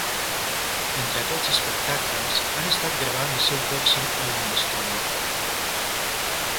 Entre aquests espectacles, han estat gravant el seu pròxim àlbum d'estudi.